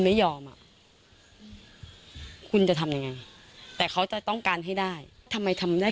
ไม่ยอมอ่ะอืมคุณจะทำยังไงแต่เขาจะต้องการให้ได้ทำไมทำได้